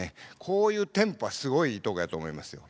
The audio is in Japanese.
こういうテンポはすごいいいとこやと思いますよ。